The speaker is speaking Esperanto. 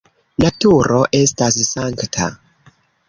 Naturo estas sankta.